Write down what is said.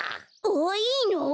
わあいいの？